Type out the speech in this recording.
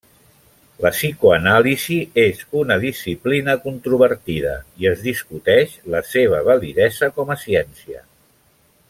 La psicoanàlisi és una disciplina controvertida, i es discuteix la seva validesa com a ciència.